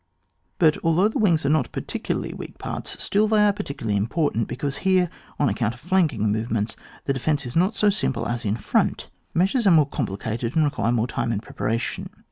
But although the wings are not par ticularly weak parts still they are parti cularly important, because here, on account of flanking movements the de fence is not so simple as in front, mea sures are more complicated and require more time and preparation.